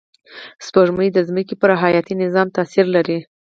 سپوږمۍ د ځمکې پر حیاتي نظام تأثیر لري